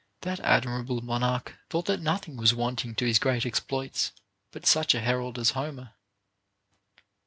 That admirable monarch thought that nothing was wanting to his great exploits but such a herald as Homer.